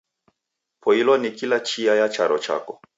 Poilwa ni kila chia ya charo chako.